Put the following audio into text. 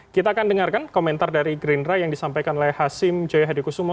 kita akan dengarkan komentar dari gerindra yang disampaikan oleh hasim joya hadikusumo